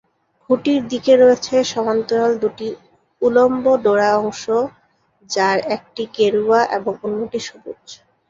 খুঁটির দিকে রয়েছে সমান্তরাল দুটি উলম্ব ডোরা অংশ, যার একটি গেরুয়া এবং অন্যটি সবুজ।